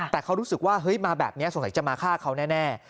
แต่เขารู้สึกว่าเฮ้ยมาแบบนี้สงสัยจะมาฆ่าเขาแน่